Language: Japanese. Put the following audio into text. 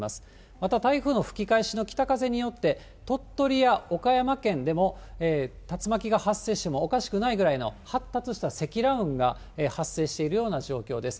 また台風の吹き返しの北風によって、鳥取や岡山県でも、竜巻が発生してもおかしくないぐらいの発達した積乱雲が発生しているような状況です。